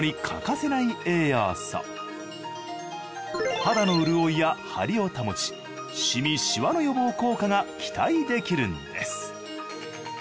肌の潤いやハリを保ちシミシワの予防効果が期待できるんです。